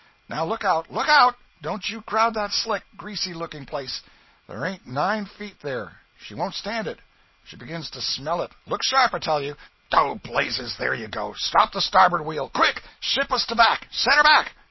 Now look out look out! Don't you crowd that slick, greasy looking place; there ain't nine feet there; she won't stand it. She begins to smell it; look sharp, I tell you! Oh blazes, there you go! Stop the starboard wheel! Quick! Ship up to back! Set her back!